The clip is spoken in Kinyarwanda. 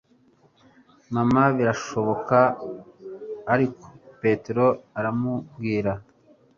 mana birashoboka o ariko petero aramubwira